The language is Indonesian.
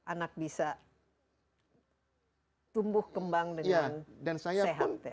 anak bisa tumbuh kembang dengan sehat